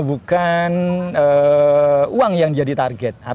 bukan uang yang jadi target